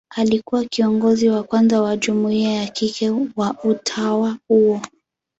Alikuwa kiongozi wa kwanza wa jumuia ya kike wa utawa huo.